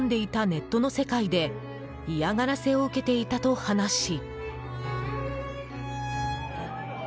ネットの世界で嫌がらせを受けていたと話し。